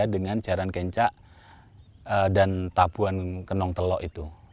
beda dengan jarang kencang dan tabuan kenong telok itu